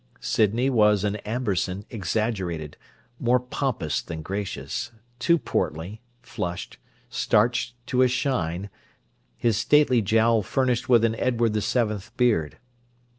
Sydney was an Amberson exaggerated, more pompous than gracious; too portly, flushed, starched to a shine, his stately jowl furnished with an Edward the Seventh beard.